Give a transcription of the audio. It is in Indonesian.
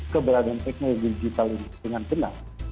keberadaan teknologi teknologi dengan senang